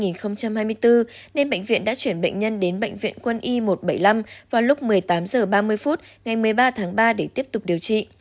nên bệnh viện đã chuyển bệnh nhân đến bệnh viện quân y một trăm bảy mươi năm vào lúc một mươi tám h ba mươi ngày một mươi ba tháng ba để tiếp tục điều trị